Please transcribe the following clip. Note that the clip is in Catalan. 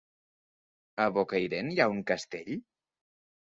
A Bocairent hi ha un castell?